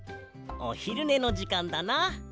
おひるねのじかんだな。